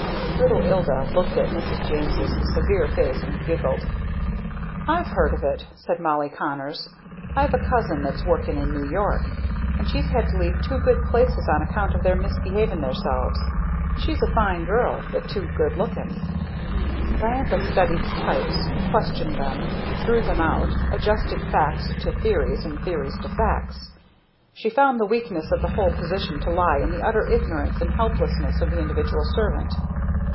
Little Ilda looked at Mrs. James' severe face and giggled. "I've heard of it," said Molly Connors, "I've a cousin that's workin' in New York; and she's had to leave two good places on account of their misbehavin' theirselves. She's a fine girl, but too good lookin'." Diantha studied types, questioned them, drew them out, adjusted facts to theories and theories to facts. She found the weakness of the whole position to lie in the utter ignorance and helplessness of the individual servant.